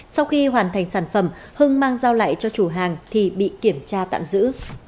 sau khi hoàn thành sản phẩm hưng mang giao lại cho chủ hàng thì bị kiểm tra tạm giữ